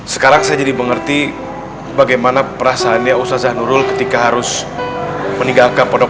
sekarang saya jadi mengerti bagaimana perasaannya usazah nurul ketika harus meninggalkan pondok